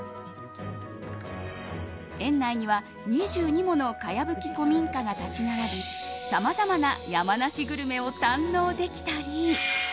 園内には２２ものかやぶき古民家が立ち並びさまざまな山梨グルメを堪能できたり。